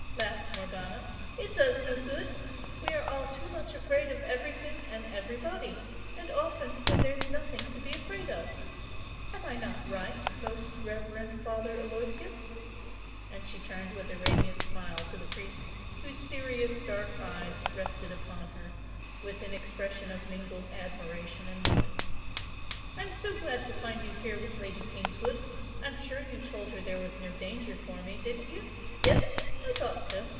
laughed Morgana "It does no good. We are all too much afraid of everything and everybody, and often when there's nothing to be afraid of! Am I not right, most reverend Father Aloysius?" and she turned with a radiant smile to the priest whose serious dark eyes rested upon her with an expression of mingled admiration and wonder "I'm so glad to find you here with Lady Kingswood I'm sure you told her there was no danger for me, didn't you? Yes? I thought so!